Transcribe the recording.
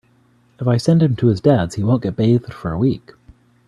If I send him to his Dad’s he won’t get bathed for a week.